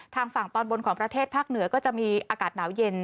ทางฝั่งตอนบนของประเทศภาคเหนือก็จะมีอากาศหนาวเย็น